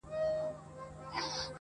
ایله عقل د کومول ورغی سرته،